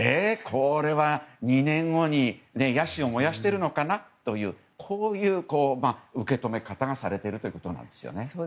これは２年後に野心を燃やしてるのかな？という受け止め方がされているということなんですよね。